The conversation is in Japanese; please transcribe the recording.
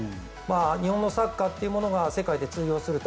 日本のサッカーというものが世界で通用すると。